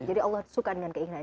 jadi allah suka dengan keindahan